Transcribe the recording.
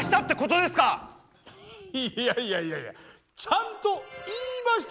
いやいやいやいやちゃんと言いましたよ。